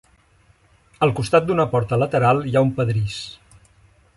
Al costat d'una porta lateral hi ha un pedrís.